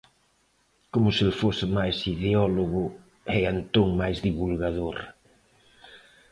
Como se el fose máis ideólogo e Antón máis divulgador.